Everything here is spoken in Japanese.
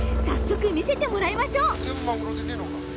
早速見せてもらいましょう！